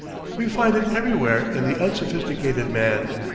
We find it everywhere in the unsophisticated man.